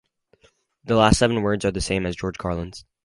The last seven words are the same as George Carlin's.